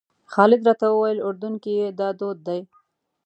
خالد راته وویل اردن کې دا دود دی.